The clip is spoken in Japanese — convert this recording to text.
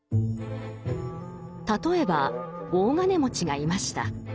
例えば大金持ちがいました。